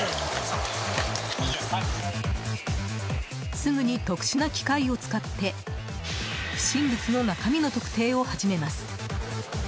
すぐに、特殊な機械を使って不審物の中身の特定を始めます。